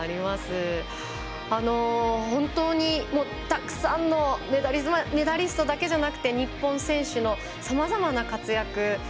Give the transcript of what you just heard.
本当にたくさんのメダリストだけじゃなくて日本選手のさまざまな活躍